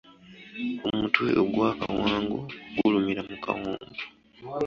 Omutwe ogwa kawango gulumira mu kawompo.